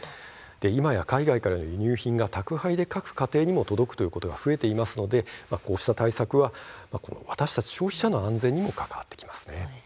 今や海外からの輸入品が宅配で各家庭に届くことも増えていますのでこうした対策は私たち消費者の安全にも関わっています。